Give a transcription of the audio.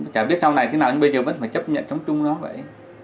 chả biết sau này thế nào nhưng bây giờ vẫn phải chấp nhận sống chung nó vậy